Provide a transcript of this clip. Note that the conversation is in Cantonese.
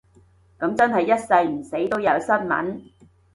噉真係一世唔死都有新聞